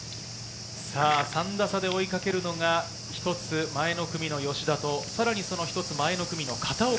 ３打差で追いかけるのが一つ前の組の吉田と、さらにその一つ前の組の片岡。